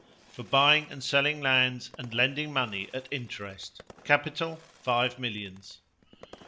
For buying and selling lands and lending money at interest. Capital, five millions.